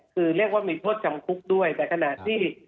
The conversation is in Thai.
คือเรียกว่ามีโทษจำคุกด้วยแต่ขณะที่